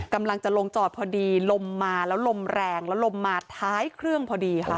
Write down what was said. กำลังจะลงจอดพอดีลมมาแล้วลมแรงแล้วลมมาท้ายเครื่องพอดีค่ะ